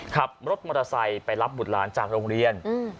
ขับรถมอเตอร์ไซค์ไปรับบุตรหลานจากโรงเรียน